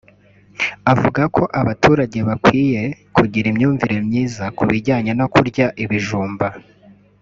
avuga ko abaturage bakwiye kugira imyumvire myiza ku bijyanye no kurya ibijumba